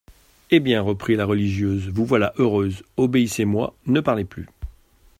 Eh bien, reprit la religieuse, vous voilà heureuse, obéissez-moi, ne parlez plus.